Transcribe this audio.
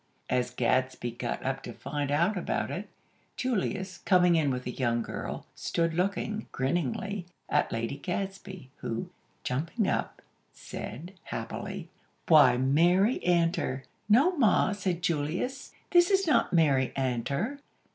As Gadsby got up to find out about it, Julius, coming in with a young girl, stood looking, grinningly, at Lady Gadsby; who, jumping up, said, happily: "Why! Mary Antor!!" "No, Ma," said Julius. "This is not Mary Antor."